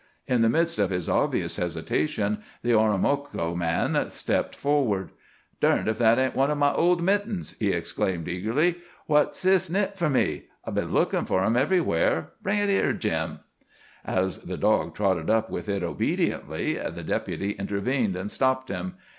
In the midst of his obvious hesitation the Oromocto man stepped forward. "Durned ef that ain't one o' my old mittens," he exclaimed eagerly, "what Sis knit fer me. I've been lookin' fer 'em everywheres. Bring it here, Jim." As the dog trotted up with it obediently, the Deputy intervened and stopped him.